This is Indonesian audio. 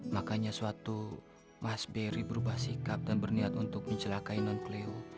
makanya suatu mas berry berubah sikap dan berniat untuk mencelakai non cleo